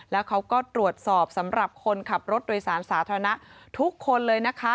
แล้วเขาก็ตรวจสอบสำหรับคนขับรถโดยสารสาธารณะทุกคนเลยนะคะ